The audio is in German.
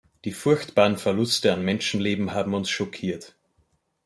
Die furchtbaren Verluste an Menschenleben haben uns schockiert.